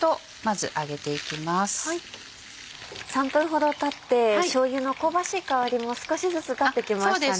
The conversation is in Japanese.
３分ほどたってしょうゆの香ばしい香りも少しずつ立ってきましたね。